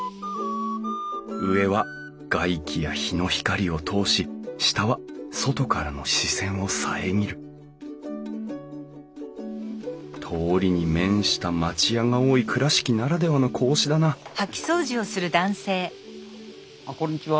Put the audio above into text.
上は外気や陽の光を通し下は外からの視線を遮る通りに面した町屋が多い倉敷ならではの格子だなあっこんにちは。